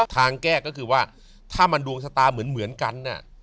ทางแก้ก็คือว่าถ้ามันดวงชะตาเหมือนกัน